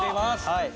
はい。